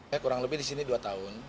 ya kurang lebih di sini dua tahun